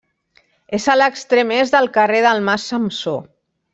És a l'extrem est del carrer del Mas Samsó.